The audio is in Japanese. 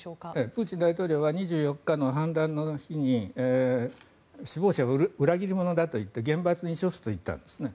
プーチン大統領は２４日の反乱の日に首謀者は裏切り者だといって厳罰に処すと言ったんですね。